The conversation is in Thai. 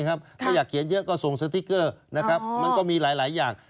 ถ้าอยากเขียนเยอะก็ส่งสติ๊กเกอร์มันก็มีหลายอย่าง